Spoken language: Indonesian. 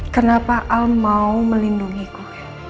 kenapa al mau melindungiku